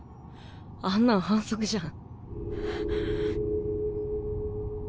あんなん反則じゃん。